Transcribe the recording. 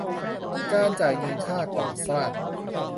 การจ่ายเงินค่าก่อสร้าง